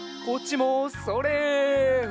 こっちもそれ！